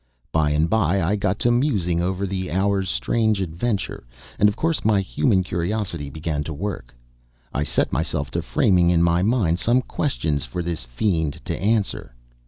By and by I got to musing over the hour's strange adventure, and of course my human curiosity began to work. I set myself to framing in my mind some questions for this fiend to answer.